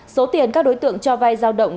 số tiền các đối tượng cho vay giao động